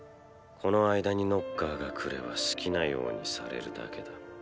この間にノッカーが来れば好きなようにされるだけだ。